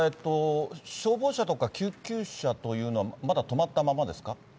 消防車とか救急車というのは、まだ止まったままですか。